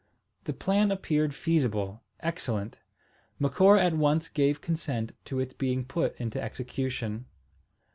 The plan appeared feasible, excellent. Macora at once gave consent to its being put into execution.